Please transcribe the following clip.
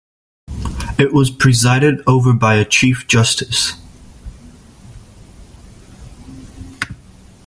It was presided over by a Chief Justice.